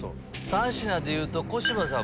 ３品でいうと小芝さん